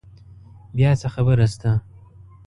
بیا څه خبره شته؟